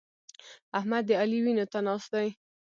احمد د علي وينو ته ناست دی.